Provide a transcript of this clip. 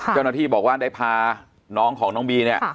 เจ้าหน้าที่บอกว่าได้พาน้องของน้องบีเนี่ย